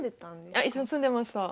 あ一緒に住んでました。